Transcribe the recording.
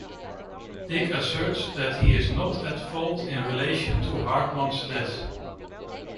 Dick asserts that he is not at fault in relation to Hartman's death.